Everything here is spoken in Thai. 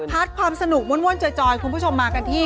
พัฒน์ความสนุกว้นเจอยคุณผู้ชมมากันที่